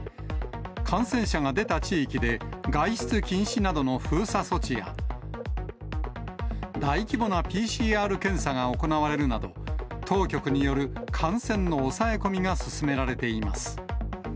感染者が出た地域で外出禁止などの封鎖措置や、大規模なＰＣＲ検査が行われるなど、当局による感染の抑え込みが進められています。